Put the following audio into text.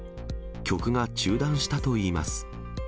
曲が中断したといいます。